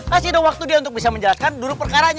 pasti ada waktu dia untuk bisa menjelaskan dulu perkaranya